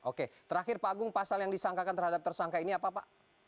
oke terakhir pak agung pasal yang disangkakan terhadap tersangka ini apa pak